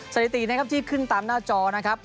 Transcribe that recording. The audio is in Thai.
สถิติที่ขึ้นตามหน้าจอนะครับ